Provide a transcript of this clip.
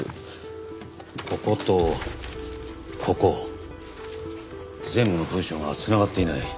こことここ前後の文章が繋がっていない。